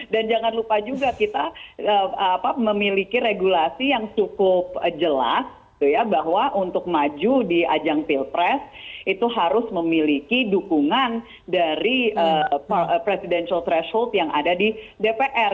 dan jangan lupa juga kita memiliki regulasi yang cukup jelas bahwa untuk maju di ajang field press itu harus memiliki dukungan dari presidential threshold yang ada di dpr